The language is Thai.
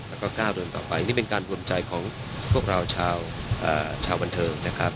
แล้วก็ก้าวเดินต่อไปนี่เป็นการรวมใจของพวกเราชาวบันเทิงนะครับ